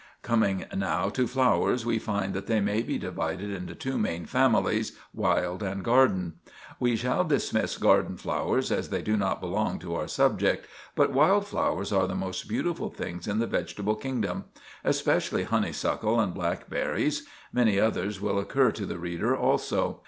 "'Coming now to flowers, we find that they may be divided into two main families: wild and garden. We shall dismiss garden flowers, as they do not belong to our subject, but wild flowers are the most beautiful things in the vegetable kingdom. Especially honeysuckle and blackberries. Many others will occur to the reader also.